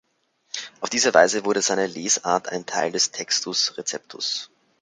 Auf diese Weise wurde seine Lesart ein Teil des Textus Receptus.